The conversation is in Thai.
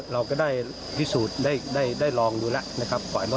เราก็ได้พิสูจน์ได้ลองดูแล้วนะครับ